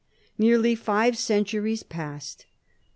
Nearly five centuries passed.